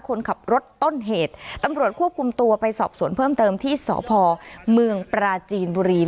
คนขับรถต้นเหตุตำรวจควบคุมตัวไปสอบสวนเพิ่มเติมที่สพเมืองปราจีนบุรี